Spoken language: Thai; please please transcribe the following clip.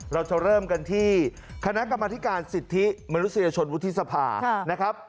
เราจะเริ่มกันที่คณะกรรมธิการสิทธิมนุษยชนวุฒิสภานะครับ